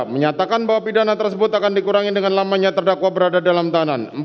menyatakan bahwa pidana tersebut akan dikurangi dengan lamanya terdakwa berada dalam tahanan